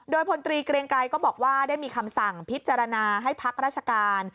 โดยพลตรีเกรงไกรก็บอกว่าได้มีคำสั่งพิจารณาให้พักราชการ